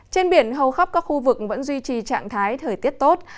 trên biển hầu khắp các khu vực vẫn duy trì trạng thái thời tiết tốt